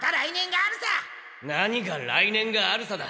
何が「来年があるさ」だ。